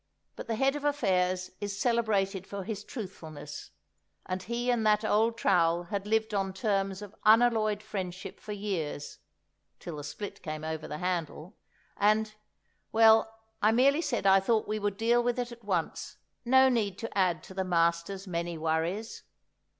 But the Head of Affairs is celebrated for his truthfulness; and he and that old trowel had lived on terms of unalloyed friendship for years (till the split came over the handle), and—well, I merely said I thought we would deal with it at once; no need to add to the master's many worries.